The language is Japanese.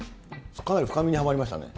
かなり深みにはまりましたね。